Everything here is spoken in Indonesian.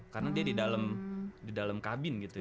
karena dia di dalam kabin gitu ya